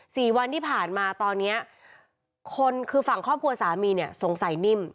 สี่วันที่ผ่านมาตอนเนี้ยคนคือฝั่งครอบครัวสามีเนี่ยสงสัยนิ่ม